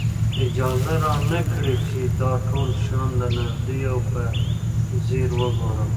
اجازه را نه کړي چې دا ټول شیان له نږدې او په ځیر وګورم.